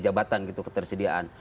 jabatan gitu ketersediaan